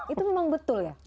itu memang betul ya